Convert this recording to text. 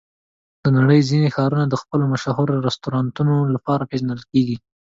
د نړۍ ځینې ښارونه د خپلو مشهور رستورانتونو لپاره پېژندل کېږي.